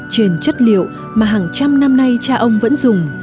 trên chất liệu mà hàng trăm năm nay cha ông vẫn dùng